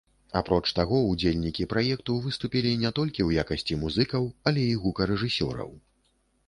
Апроч таго, удзельнікі праекту выступілі не толькі ў якасці музыкаў, але і гукарэжысёраў.